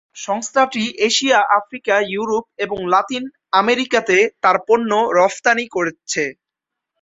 সংস্থাটি Asia, Africa, Europe এবং Latin আমেরিকাতে তার পণ্য রফতানি করছে।